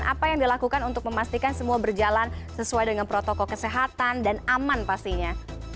apa yang dilakukan untuk memastikan semua berjalan sesuai dengan protokol kesehatan dan aman pastinya